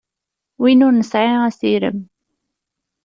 Win ur nesɛi asirem.